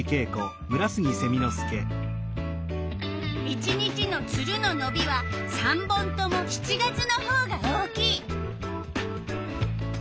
１日のツルののびは３本とも７月のほうが大きい。